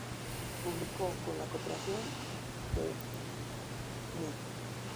Publicó, con la cooperación de Mme.